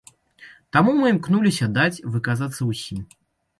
Таму мы імкнуліся даць выказацца ўсім.